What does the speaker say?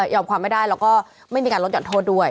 ความไม่ได้แล้วก็ไม่มีการลดห่อนโทษด้วย